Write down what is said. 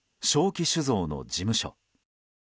亀酒造の事務所。